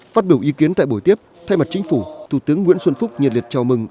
phát biểu ý kiến tại buổi tiếp thay mặt chính phủ thủ tướng nguyễn xuân phúc nhiệt liệt chào mừng